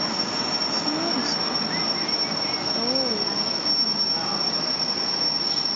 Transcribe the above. Snow is common, though light, in winter.